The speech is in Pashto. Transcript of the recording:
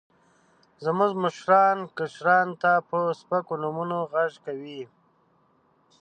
زموږ مشران، کشرانو ته په سپکو نومونو غږ کوي.